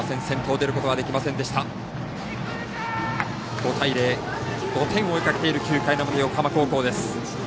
５対０、５点を追いかけている９回の表横浜高校です。